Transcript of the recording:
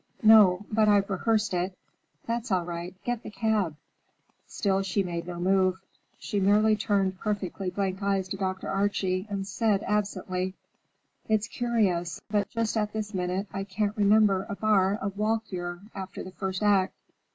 "No, but I've rehearsed it. That's all right. Get the cab." Still she made no move. She merely turned perfectly blank eyes to Dr. Archie and said absently, "It's curious, but just at this minute I can't remember a bar of 'Walküre' after the first act.